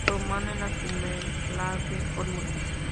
Roma en la Superleague Formula.